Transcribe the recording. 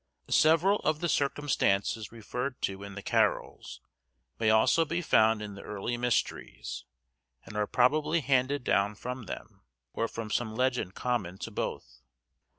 SEVERAL of the circumstances referred to in the carols, may also be found in the early mysteries, and are probably handed down from them, or from some legend common to both.